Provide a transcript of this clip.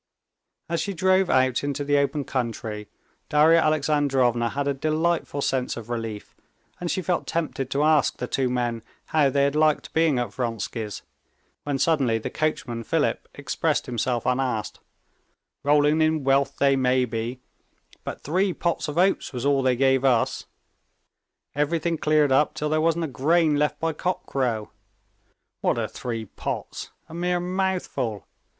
As she drove out into the open country, Darya Alexandrovna had a delightful sense of relief, and she felt tempted to ask the two men how they had liked being at Vronsky's, when suddenly the coachman, Philip, expressed himself unasked: "Rolling in wealth they may be, but three pots of oats was all they gave us. Everything cleared up till there wasn't a grain left by cockcrow. What are three pots? A mere mouthful!